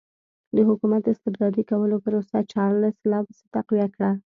د حکومت استبدادي کولو پروسه چارلېس لا پسې تقویه کړه.